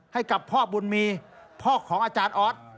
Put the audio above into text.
ให้กับพ่อบุญมีพ่อของอาจารย์ออส